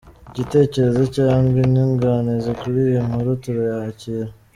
Igitekerezo cyangwa inyunganizi kuri iyi nkuru turayakira.